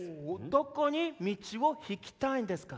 どこに道をひきたいんですか？